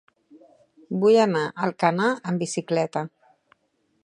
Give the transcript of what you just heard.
Vull anar a Alcanar amb bicicleta.